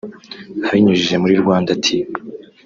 Ibinyujije muri “Rwanda Tea